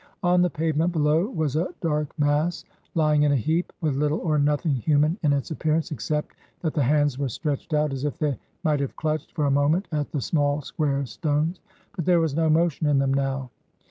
On the pavement, below, was a dark mass, lying in a heap, with Uttle or nothing human in its appearance, except that the hands were stretched out, as if they might have clutched, for a moment, at the small, square stones. But there was no motion in them, now.